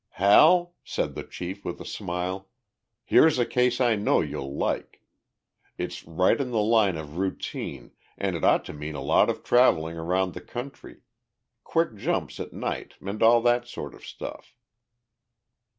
"Hal," said the chief, with a smile, "here's a case I know you'll like. It's right in the line of routine and it ought to mean a lot of traveling around the country quick jumps at night and all that sort of stuff."